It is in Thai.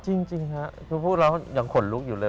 จริงครับคือพวกเรายังขนลุกอยู่เลย